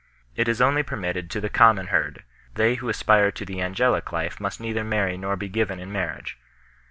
It is only permitted to the common herd ; they who aspire to the angelic life must neither marry nor be given in marriage.